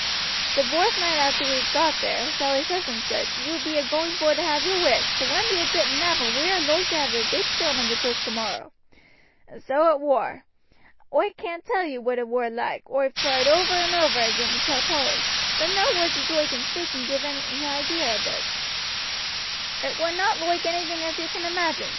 The vorth noight arter we got there Sally's husband said: 'You be a going vor to have your wish; the wind be a getting up, and we are loike to have a big storm on the coast tomorrow.' And so it war. Oi can't tell you what it war loike, oi've tried over and over again to tell Polly, but no words as oi can speak can give any idee of it. "It war not loike anything as you can imagine.